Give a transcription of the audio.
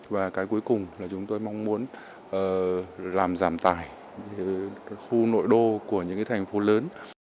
và cái cuối cùng là chúng tôi mong muốn làm giảm tài khu nội đô của những cái thành phố lớn